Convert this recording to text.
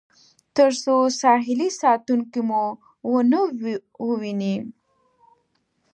تر څو ساحلي ساتونکي مو ونه وویني.